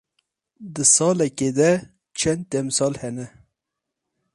Di salekê de çend demsal hene?